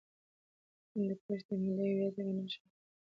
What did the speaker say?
هندوکش د ملي هویت یوه نښه ده.